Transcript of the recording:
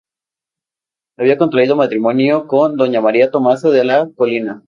Había contraído matrimonio con doña María Tomasa de la Colina.